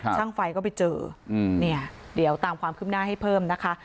ช่างไฟก็ไปเจอเนี่ยเดี๋ยวตามความคืบหน้าให้เพิ่มนะคะ